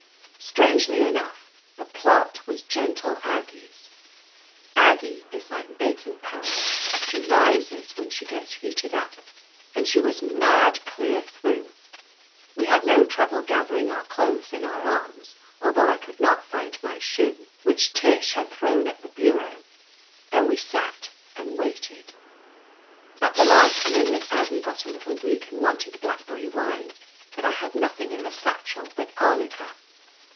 Strangely enough, the plot was gentle Ag gie's. Aggie is like baking powder — she rises when she gets heated up. And she was mad clear through. We had no trouble gathering our clothes in our arms, although I could not find my shoe, which Tish had thrown at the 273 THE AMAZING ADVENTURES bureau. Then we sat and waited. At the last minute Aggie got a little weak and wanted blackberry wine, but I had nothing in the satchel but arnica.